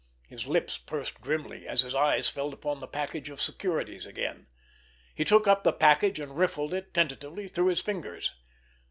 His lips pursed grimly, as his eyes fell upon the package of securities again. He took up the package and riffled it tentatively through his fingers.